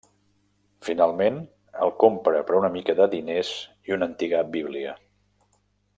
Finalment, el compra per una mica de diners i una antiga Bíblia.